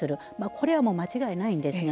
これは間違いないんですが。